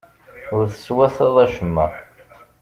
Ur teswataḍ acemma.